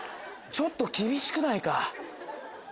ちょっと厳しくないか？